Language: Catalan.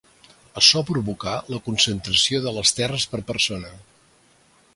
Açò provocà la concentració de les terres per persona.